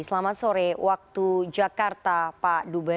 selamat sore waktu jakarta pak dubes